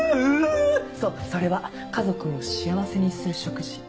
そうそれは家族を幸せにする食事。